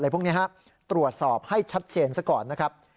พวกนี้ตรวจสอบให้ชัดเจนซะก่อนนะครับ